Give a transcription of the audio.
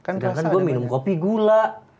jangankan gue minum kopi gula